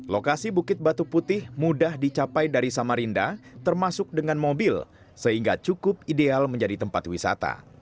lokasi bukit batu putih mudah dicapai dari samarinda termasuk dengan mobil sehingga cukup ideal menjadi tempat wisata